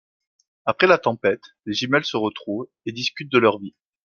Après la tempête les jumelles se retrouvent et discutent de leurs vies.